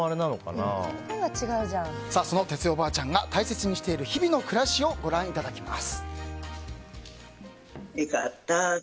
その哲代おばあちゃんが大切にしている日々の暮らしをご覧いただきます。